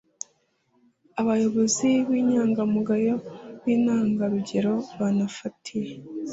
abayobozi b inyangamugayo b intangarugero banafite